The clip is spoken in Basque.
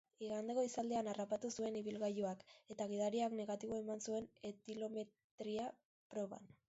Igande goizaldean harrapatu zuen ibilgailuak, eta gidariak negatibo eman zuen etilometria proban.